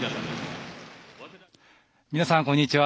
皆さん、こんにちは。